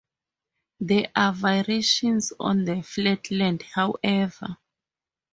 There are variations on the flatland, however.